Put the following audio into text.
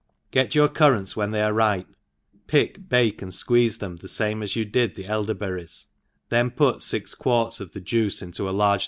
»•• GET your currants when they are ripc» pickt bake, and fqueeze them the fame as you did tho elderberries, itben put fijc quarts of the juice into a large